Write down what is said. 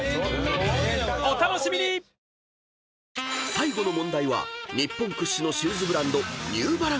［最後の問題は日本屈指のシューズブランド］